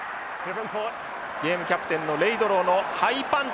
ゲームキャプテンのレイドロウのハイパント。